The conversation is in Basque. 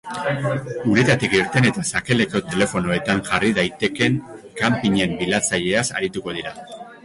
Uretatik irten eta sakelako telefonoetan jarri daiteken kanpinen bilatzaileaz arituko dira.